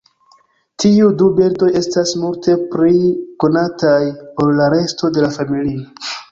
Tiuj du birdoj estas multe pli konataj ol la resto de la familio.